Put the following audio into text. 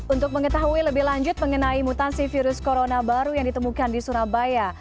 untuk mengetahui lebih lanjut mengenai mutasi virus corona baru yang ditemukan di surabaya